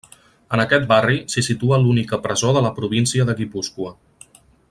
En aquest barri s'hi situa l'única presó de la província de Guipúscoa.